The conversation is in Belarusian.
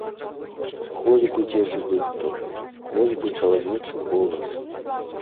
Хоць бы дзе жывы хто, хоць бы чалавечы голас!